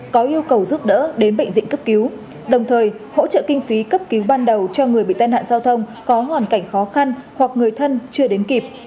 có yêu cầu giúp đỡ đến bệnh viện cấp cứu đồng thời hỗ trợ kinh phí cấp cứu ban đầu cho người bị tai nạn giao thông có hoàn cảnh khó khăn hoặc người thân chưa đến kịp